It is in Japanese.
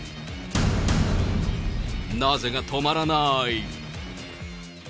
なぜが止まらなーい。